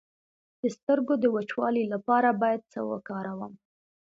د سترګو د وچوالي لپاره باید څه وکاروم؟